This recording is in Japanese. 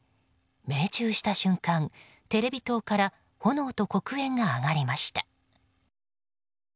命中した瞬間、テレビ塔から炎と黒煙が上がりました。